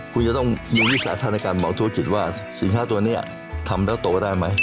คุณจะต้องมีวิสาธารณในการบอกธุรกิจว่าสินค้าตัวนี้ทำแล้วโตได้ไหม